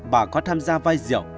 bà có tham gia vai diệu